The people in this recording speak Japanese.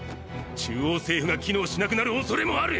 中央政府が機能しなくなるおそれもある！！